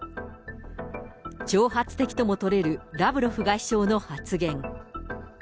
挑発的とも取れるラブロフ外相の発言。